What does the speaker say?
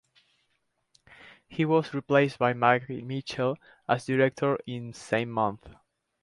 He was replaced by Mike Mitchell as director in same month.